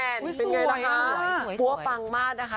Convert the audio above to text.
เป็นไงล่ะคะปั้วปังมากนะคะ